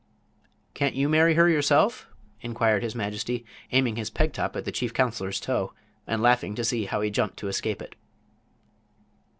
"Can't you marry her yourself?" inquired his majesty, aiming his peg top at the chief counselor's toe, and laughing to see how he jumped to escape it.